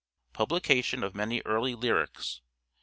Publication of many early lyrics.